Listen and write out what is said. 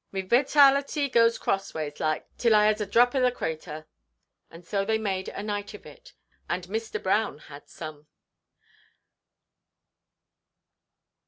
Me witality goes crossways, like, till I has a drap o' the crather." And so they made a night of it, and Mr. Brown had some.